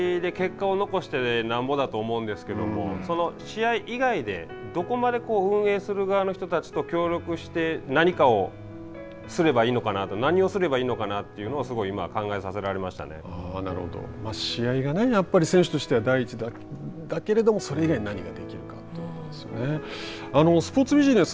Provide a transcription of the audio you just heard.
選手としてはやっぱり試合で結果を残してなんぼだと思うんですけれどもその試合以外でどこまで運営する側の人たちと協力して何をすればいいのかなと何をすればいいのかなというのはすごい、今試合がやっぱり選手としては第一だけれどもそれ以外に何ができるかということですよね。